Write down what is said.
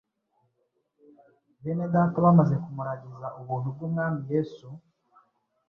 bene Data bamaze kumuragiza ubuntu bw’Umwami Yesu